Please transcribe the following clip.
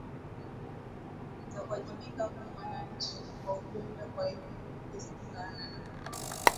ze kuajibika kwa wananchi kwa ujumla kwa hivyo mbunge spika ananafasi